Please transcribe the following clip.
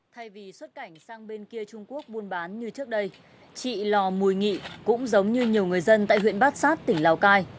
thay vì xuất cảnh sang bên kia trung quốc buôn bán như trước đây chị lò mùi nghị cũng giống như nhiều người dân tại huyện bát sát tỉnh lào cai